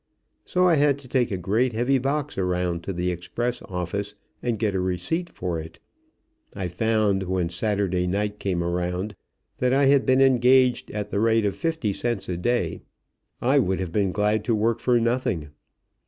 So I had to take a great, heavy box around to the express office and get a receipt for it. I found, when Saturday night came around, that I had been engaged at the rate of fifty cents a day. I would have been glad to work for nothing.